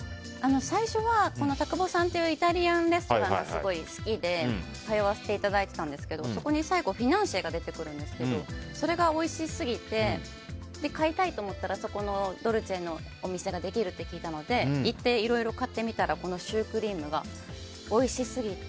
最初はＴＡＣＵＢＯさんというイタリアンレストランがすごい好きで通わせていただいてたんですけどそこで最後フィナンシェが出てくるんですけどそれがおいしすぎて買いたいと思ったらそこのドルチェのお店ができるって聞いたので行って、いろいろ買ってみたらこのシュークリームがおいしすぎて。